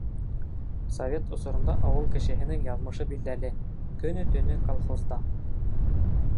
Совет осоронда ауыл кешеһенең яҙмышы билдәле — көнө-төнө колхозда.